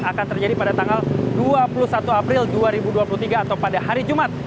akan terjadi pada tanggal dua puluh satu april dua ribu dua puluh tiga atau pada hari jumat